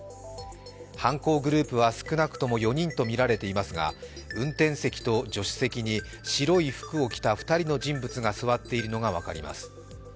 犯行グループは少なくとも４人とみられていますが、運転席と助手席に白い服を着た２人の人物が座っているのが分かります。